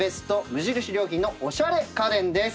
無印良品のおしゃれ家電です。